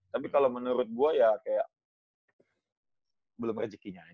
tapi kalau menurut gue ya kayak belum rezekinya aja